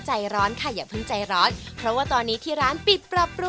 ใช่ครับ